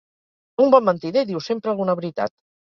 Un bon mentider diu sempre alguna veritat.